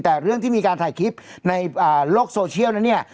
แต่เรื่องที่มีการถ่ายคลิปในโลกโซเชียลนั้นเนี่ย